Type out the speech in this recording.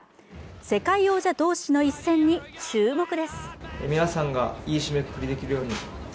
世界王者同士の一戦に注目です。